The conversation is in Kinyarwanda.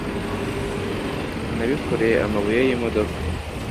nabikoreye amabuye yi modoka